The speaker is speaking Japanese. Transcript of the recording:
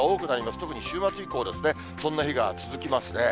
特に週末以降、そんな日が続きますね。